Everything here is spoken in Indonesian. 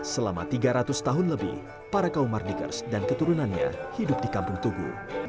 selama tiga ratus tahun lebih para kaum mardikers dan keturunannya hidup di kampung tugu